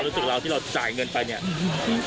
รู้สึกเราที่เราจ่ายเงินไปเนี่ย